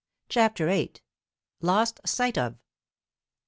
CHAPTER VIII. LOST SIGHT OF.